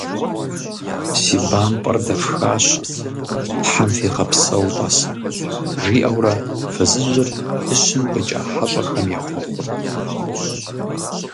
Си бампӀэр дэфхащ, Тхьэм фигъэпсэу, тӀасэ, – жиӀэурэ фызыжьыр дыщым къикӀа хьэщӀэхэм ехъуэхъурт.